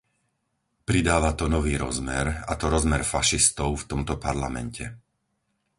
Pridáva to nový rozmer, a to rozmer fašistov v tomto Parlamente.